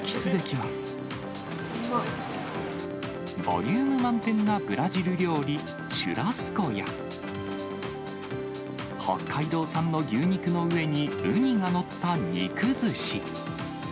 ボリューム満点なブラジル料理、シュラスコや、北海道産の牛肉の上にウニが載った肉ずし。